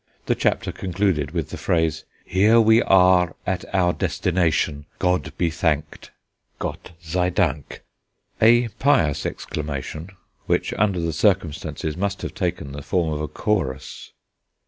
The chapter concluded with the phrase, "Here we are at our destination, God be thanked! (Gott sei dank!)" a pious exclamation, which under the circumstances must have taken the form of a chorus.